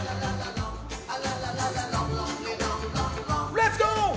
レッツゴー！